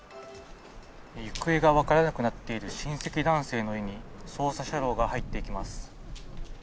行方が分からなくなっている親戚男性の家に、捜査車両が入っていきます。